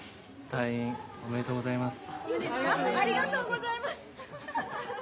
退院おめでとうございます。